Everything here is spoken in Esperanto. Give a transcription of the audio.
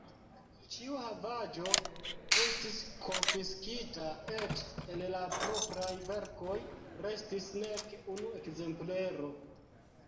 Ĉiu havaĵo estis konfiskita, eĉ el la propraj verkoj restis nek unu ekzemplero.